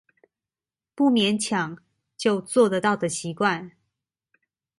不勉強就做得到的習慣